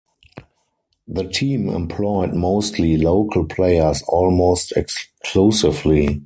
The team employed mostly local players almost exclusively.